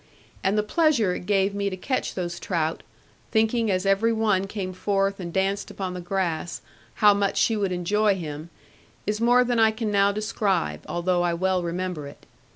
And the pleasure it gave me to catch those trout, thinking as every one came forth and danced upon the grass, how much she would enjoy him, is more than I can now describe, although I well remember it.